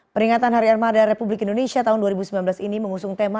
peringatan hari armada republik indonesia tahun dua ribu sembilan belas ini mengusung tema